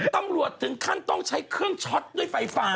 ถึงขั้นต้องใช้เครื่องช็อตด้วยไฟฟ้า